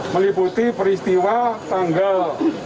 meliputi peristiwa tanggal delapan